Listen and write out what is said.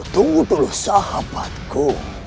tunggu dulu sahabatku